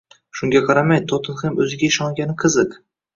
Shunga qaramay, "Tottenxem" o'ziga ishongani qiziq